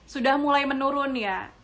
sudah mulai menurun ya